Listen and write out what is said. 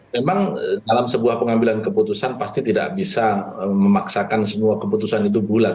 memang dalam sebuah pengambilan keputusan pasti tidak bisa memaksakan semua keputusan itu bulat